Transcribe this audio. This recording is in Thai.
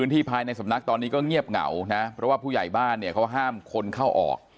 ที่ภายในสำนักตอนนี้ก็เงียบเหงานะเพราะว่าผู้ใหญ่บ้านเนี่ยเขาห้ามคนเข้าออก